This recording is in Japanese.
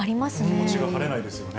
気持ちは晴れないですよね。